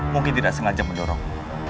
mungkin tidak sengaja mendorong